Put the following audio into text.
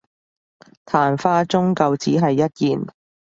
曇花終究只係一現